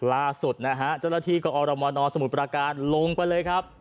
ล่าสุดนะฮะเจ้าหน้าที่กอรมนสมุทรประการลงไปเลยครับ